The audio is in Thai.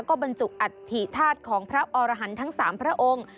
ก็บรรจุกอธิษฏภัทรของพระออรหันต์ทั้ง๓พระองค์